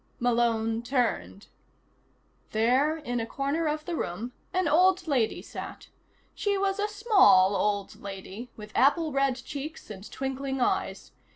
Malone turned. There, in a corner of the room, an old lady sat. She was a small old lady, with apple red cheeks and twinkling eyes.